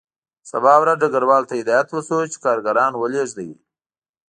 سبا ورځ ډګروال ته هدایت وشو چې کارګران ولېږدوي